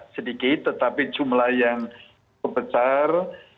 sedikit tetapi jumlah yang cukup besar